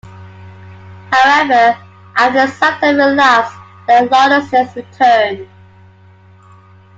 However, after some time elapsed, the lawlessness returned.